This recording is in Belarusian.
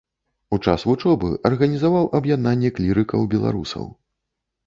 У час вучобы арганізаваў аб'яднанне клірыкаў-беларусаў.